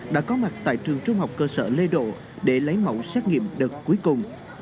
đã có mặt tại trường trung học cơ sở lê độ để lấy mẫu xét nghiệm đợt cuối cùng